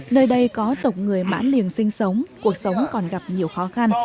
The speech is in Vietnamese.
nơi đây có tổng người mãn liềng sinh sống cuộc sống còn gặp nhiều khó khăn